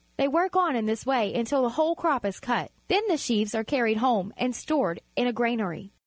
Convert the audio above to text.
They work on in this way until the whole crop is cut. Then the sheaves are carried home and stored in a granary.